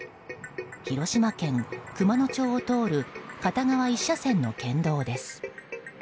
広島県熊野町を通る片側１車線の県道です。